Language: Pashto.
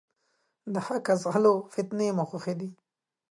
د حقه ځغلو ، فتنې مو خوښي دي.